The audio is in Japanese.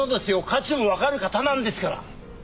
価値のわかる方なんですから。